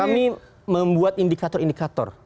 kami membuat indikator indikator